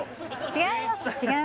違います